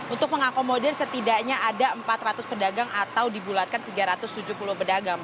untuk mengakomodir setidaknya ada empat ratus pedagang atau dibuluh